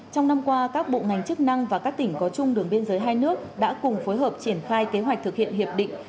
trong năm qua các bộ ngành chức năng và các tỉnh có chung đường biên giới hai nước đã cùng phối hợp triển khai kế hoạch thực hiện hiệp định